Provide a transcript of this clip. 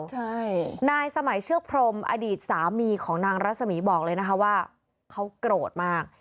ใช่นายสมัยเชือกพรมอดีตสามีของนางรัศมีบอกเลยนะคะว่าเขาโกรธมาก